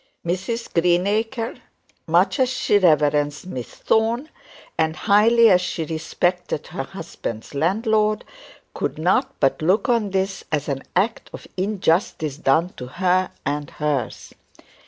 Mrs Greenacre, much as she reverenced Miss Thorne, and highly as she respected her husband's landlord, could not but look on this as an act of injustice done to her and hers.